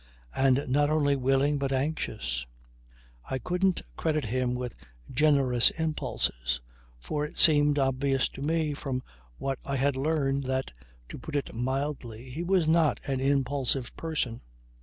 And not only willing but anxious. I couldn't credit him with generous impulses. For it seemed obvious to me from what I had learned that, to put it mildly, he was not an impulsive person.